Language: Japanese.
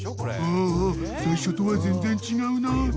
［ああ最初とは全然違うな］